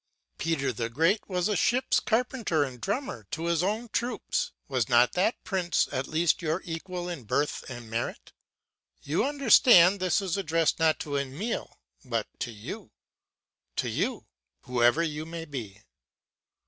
Peter the Great was a ship's carpenter and drummer to his own troops; was not that prince at least your equal in birth and merit? You understand this is addressed not to Emile but to you to you, whoever you may be.